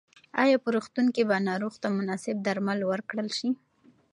ایا په روغتون کې به ناروغ ته مناسب درمل ورکړل شي؟